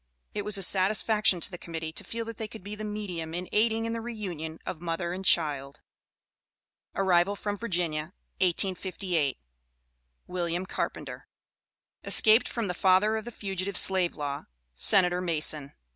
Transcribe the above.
It was a satisfaction to the Committee to feel that they could be the medium in aiding in the reunion of mother and child. ARRIVAL FROM VIRGINIA, 1858. WILLIAM CARPENTER. Escaped from the Father of the Fugitive Slave Law Senator Mason.